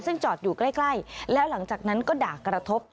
ซึ่งจอดอยู่ใกล้แล้วหลังจากนั้นก็ด่ากระทบ